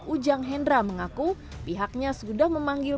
ujang hendra mengaku pihaknya sudah memanggil